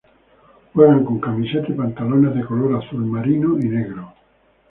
Juegan con camiseta y pantalones de color azul marino y negro.